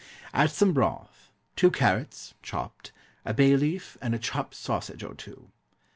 Add some broth, two carrots (chopped), a bay leaf, and a chopped sausage or two.